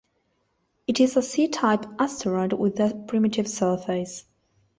It is a C-type asteroid with a primitive surface.